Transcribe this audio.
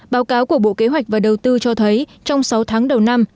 báo cáo của bộ kế hoạch và đầu tư cho thấy trong sáu tháng đầu năm